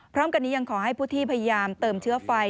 พร้อมกันนี้ยังขอให้ผู้ที่พยายามเติมเชื้อไฟ